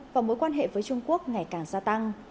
và mối quan hệ với trung quốc ngày càng gia tăng